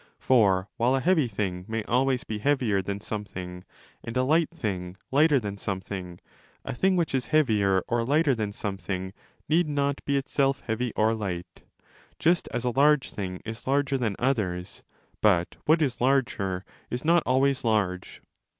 For while a heavy thing may always be heavier than something and a light thing lighter than something, 299° a thing which is heavier or lighter than something need not be itself heavy or light, just as a large thing is larger than others, but what is larger is not always large.